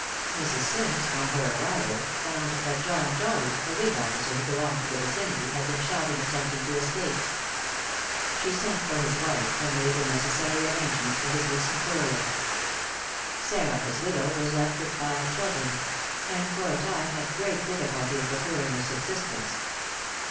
Mrs. Sims, on her arrival, found that John Jolly, a whig officer who belonged to the vicinity, had been shot in attempting to escape. She sent for his wife, and made the necessary arrangements for his decent burial. Sarah, his widow, was left with five children; and for a time had great difficulty in procuring a subsistence.